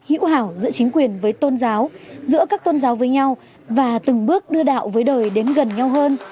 hữu hảo giữa chính quyền với tôn giáo giữa các tôn giáo với nhau và từng bước đưa đạo với đời đến gần nhau hơn